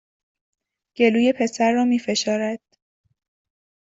گلوی پسر را می فشارد